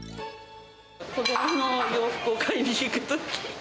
子どもの洋服を買いに行くとき。